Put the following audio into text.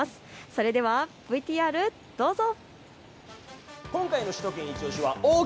それではＶＴＲどうぞ。